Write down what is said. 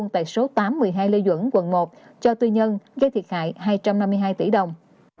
tại số tám một mươi hai lê duẩn quận một cho tư nhân gây thiệt hại hai trăm năm mươi hai tỷ đồng